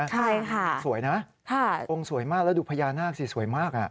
ใช่ค่ะสวยนะองค์สวยมากแล้วดูพญานาคสิสวยมาก